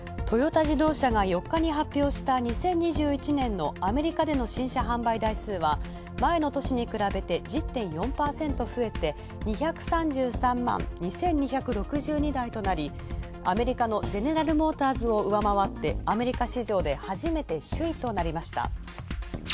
トヨタ自動車が４日に発表した２０２１年のアメリカでの新車販売台数は前の年に比べて、１０．４％増えて２３３万２２６２台となり、アメリカのゼネラル・モーターズを上回ってアメリカ市場で初めて首位となりました。